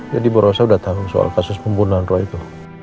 jadi bu rosa udah tahu soal kasus pembunuhan roy itu